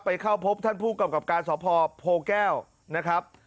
เข้าพบท่านผู้กำกับการสพโพแก้วนะครับ